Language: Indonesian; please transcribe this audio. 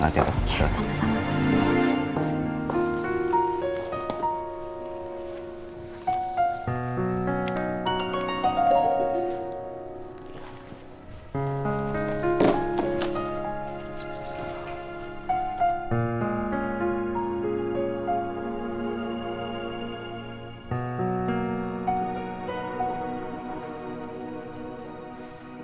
terima kasih pak